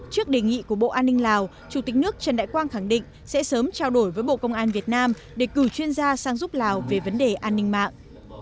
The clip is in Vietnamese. trước đề nghị của bộ an ninh lào chủ tịch nước trần đại quang khẳng định sẽ sớm trao đổi với bộ công an việt nam để cử chuyên gia sang giúp lào về vấn đề an ninh mạng